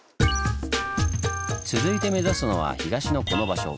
続いて目指すのは東のこの場所。